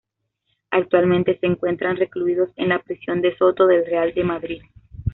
Actualmente se encuentran recluidos en la prisión de Soto del Real de Madrid.